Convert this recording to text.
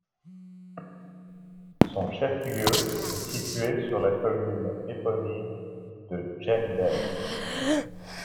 Son chef-lieu est situé sur la commune éponyme de Djendel.